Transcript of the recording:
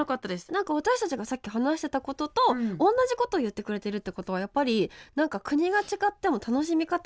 何か私たちがさっき話してたことと同じことを言ってくれてるってことはやっぱり何か国が違っても楽しみ方は一緒なんだなって思ってね